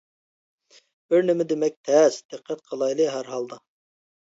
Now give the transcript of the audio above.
— بىرنېمە دېمەك تەس، دىققەت قىلايلى، ھەرھالدا.